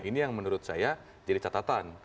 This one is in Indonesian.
ini yang menurut saya jadi catatan